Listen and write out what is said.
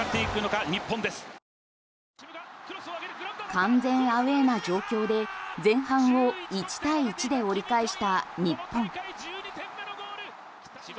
完全アウェーな状況で前半を１対１で折り返した日本。